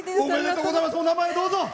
お名前をどうぞ。